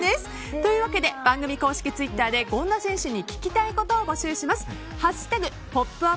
というわけで番組公式ツイッターで権田選手に聞きたいことを募集します。